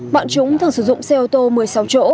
bọn chúng thường sử dụng xe ô tô một mươi sáu chỗ